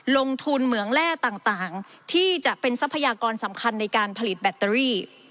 เหมืองแร่ต่างที่จะเป็นทรัพยากรสำคัญในการผลิตแบตเตอรี่